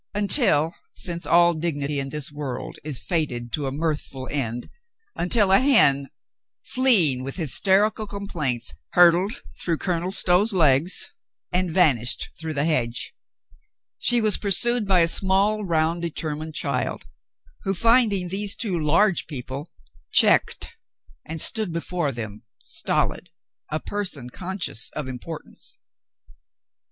Until — since all dignity in this world is fated to a mirthful end — until a hen, fleeing with hysterical complaints, hurtled through Colonel Stow's legs and vanished through the hedge. She was pursued by a small, round, determined child, who, finding these two A PERSON OF IMPORTANCE 57 large people, checked and stood before them stolid, a person conscious of importance.